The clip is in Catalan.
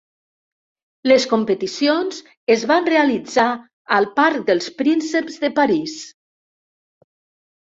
Les competicions es van realitzar al Parc dels Prínceps de París.